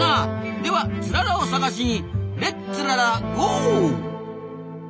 ではツララを探しにレッツララゴー！